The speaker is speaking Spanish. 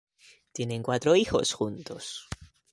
Tienen cuatro hijos juntos.